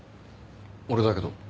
俺だけど。